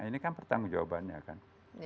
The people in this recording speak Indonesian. ini kan pertanggung jawabannya kan